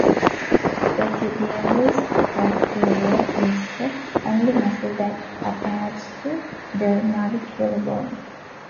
The tibialis posterior is the only muscle that attaches to the navicular bone.